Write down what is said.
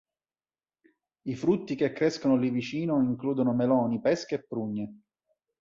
I frutti che crescono lì vicino includono meloni, pesche e prugne.